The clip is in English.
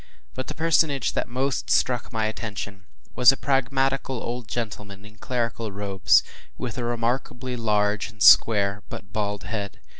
” But the personage that most struck my attention was a pragmatical old gentleman in clerical robes, with a remarkably large and square but bald head.